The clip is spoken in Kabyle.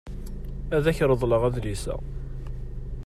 Ad ak-reḍleɣ adlis-a.